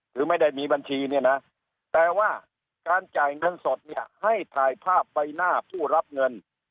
คือไม่ได้มีบัญชีเนี่ยนะแต่ว่าการจ่ายเงินสดเนี่ยให้ถ่ายภาพใบหน้าผู้รับเงิน